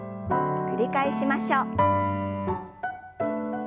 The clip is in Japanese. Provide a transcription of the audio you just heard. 繰り返しましょう。